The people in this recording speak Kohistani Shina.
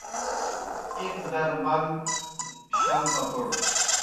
ایْک در بن، شل پٹوڑ